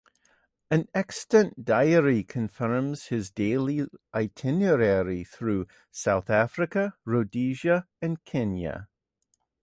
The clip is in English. An extant diary confirms his daily itinerary through South Africa, Rhodesia, and Kenya.